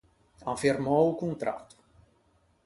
An firmou o contratto.